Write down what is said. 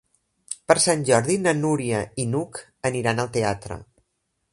Per Sant Jordi na Núria i n'Hug aniran al teatre.